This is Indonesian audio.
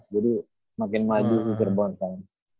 jadi makin maju di cerbon kan